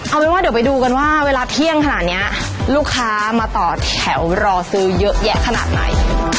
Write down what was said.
เอาเป็นว่าเดี๋ยวไปดูกันว่าเวลาเที่ยงขนาดนี้ลูกค้ามาต่อแถวรอซื้อเยอะแยะขนาดไหน